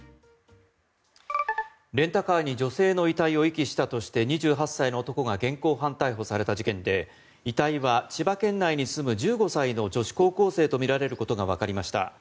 レンタカーに女性の遺体を遺棄したとして２８歳の男が現行犯逮捕された事件で遺体は千葉県内に住む１５歳の女子高校生とみられることがわかりました。